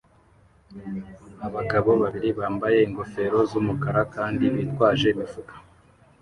Abagabo babiri bambaye ingofero z'umukara kandi bitwaje imifuka